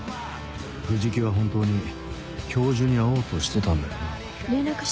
藤木は本当に教授に会おうとしてたんだよな？